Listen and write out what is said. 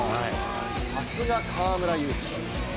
さすが河村勇輝。